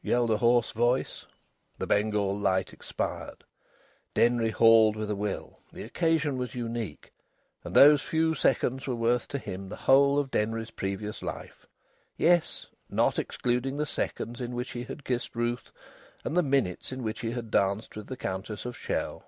yelled a hoarse voice. The Bengal light expired. Denry hauled with a will. The occasion was unique. And those few seconds were worth to him the whole of Denry's precious life yes, not excluding the seconds in which he had kissed Ruth and the minutes in which he had danced with the Countess of Chell.